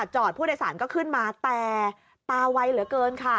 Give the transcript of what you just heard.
จอดผู้โดยสารก็ขึ้นมาแต่ตาไวเหลือเกินค่ะ